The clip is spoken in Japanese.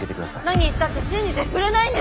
何言ったって信じてくれないんでしょ！？